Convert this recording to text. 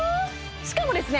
しかもですね